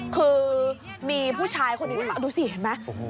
คือมีผู้ชายคนหนึ่งดูสิเห็นไหม